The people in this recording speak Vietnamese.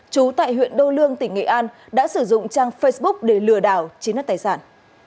chú tại huyện đô lương tỉnh nghệ an đã sử dụng trang facebook để lừa đảo chiếm đất tài sản